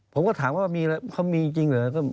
ผมก็ถามว่ามีจริงหรือ